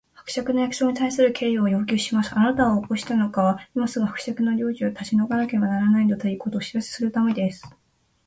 「伯爵の役所に対する敬意を要求します！あなたを起こしたのは、今すぐ伯爵の領地を立ち退かなければならないのだ、ということをお知らせするためです」